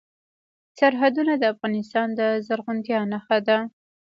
سرحدونه د افغانستان د زرغونتیا نښه ده.